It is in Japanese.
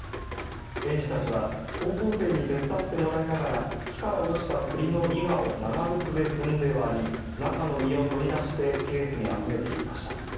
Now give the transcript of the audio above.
園児たちは高校生に手伝ってもらいながら木から落ちたくりのいがを長靴で踏んで割り中の実を取り出してケースに集めていきました。